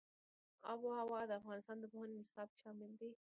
آب وهوا د افغانستان د پوهنې نصاب کې شامل دي.